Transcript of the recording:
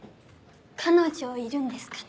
彼女いるんですかね？